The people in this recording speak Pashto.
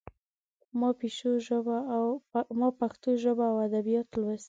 ما پښتو ژبه او ادبيات لوستي.